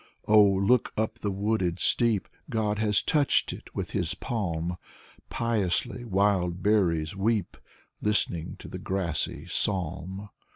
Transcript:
Oh, look up the wooded steep — God has touched it with his palm; Piously wild berries weep, ^ listening to the grassy psalm.